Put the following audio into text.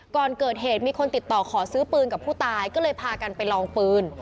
ก่อนเกิดเหตุมีคนติดต่อขอซื้อปืนกับผู้ตายก็เลยพากันไปลองปืน